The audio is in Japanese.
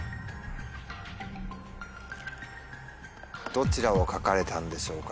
どちらを書かれたんでしょうか。